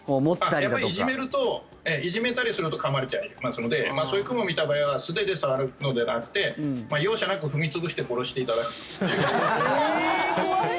やっぱりいじめたりするとかまれちゃいますのでそういうクモを見た場合は素手で触るのではなくて容赦なく踏み潰して殺していただくという。